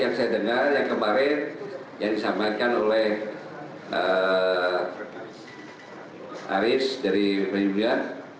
yang saya dengar yang kemarin yang disampaikan oleh arief dari premier